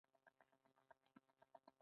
معیاري لیکنه د ژبې پرمختګ ښيي.